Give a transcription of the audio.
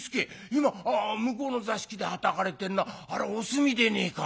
今向こうの座敷ではたかれてんのはあれおすみでねえか？